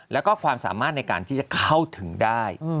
แล้วก็ความสามารถในการที่จะเข้าถึงได้